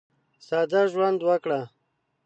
ساده ژوند وکړه.